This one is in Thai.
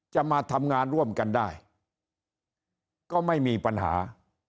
จะมาทำงานร่วมกันได้ก็ไม่มีปัญหา